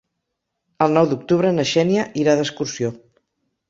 El nou d'octubre na Xènia irà d'excursió.